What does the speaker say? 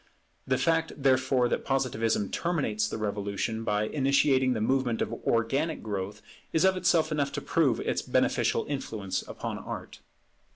The fact therefore that Positivism terminates the Revolution by initiating the movement of organic growth is of itself enough to prove its beneficial influence upon Art.